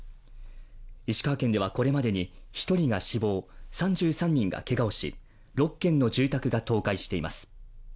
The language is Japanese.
石川県ではこれまでに１人が死亡３３人がけがをし６軒の住宅が倒壊しています。